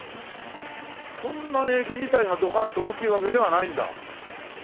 そんなに駅自体がドカンと大きいわけではないんだ。